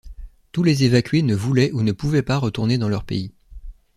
Tous les évacués ne voulaient ou ne pouvaient pas retourner dans leur pays.